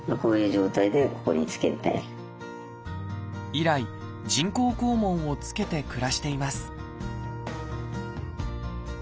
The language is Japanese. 以来人工肛門をつけて暮らしています